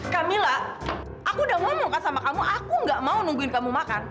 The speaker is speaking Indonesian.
kamila aku udah ngomong sama kamu aku nggak mau nungguin kamu makan